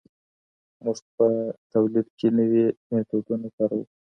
موږ په تولید کي نوي میتودونه کاروو.